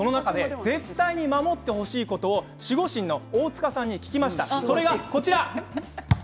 絶対に守ってほしいことを守護神の大塚さんに聞きました。